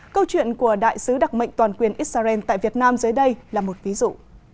câu chuyện của đại sứ đặc mệnh toàn quyền israel tại việt nam dưới đây là một ví dụ